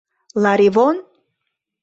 Ларивон!